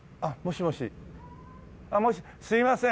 すみません。